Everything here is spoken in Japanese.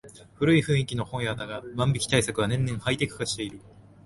古い雰囲気の本屋だが万引き対策は年々ハイテク化している